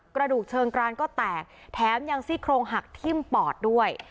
กระดูกเชิงกรานก็แตกแถมยังซี่โครงหักทิ้มปอดด้วย